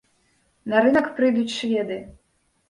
На рынак прыйдуць шведы.